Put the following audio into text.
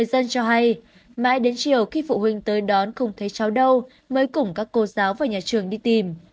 dân cho hay mãi đến chiều khi phụ huynh tới đón không thấy cháu đâu mới củng các cô giáo vào nhà trường đi tìm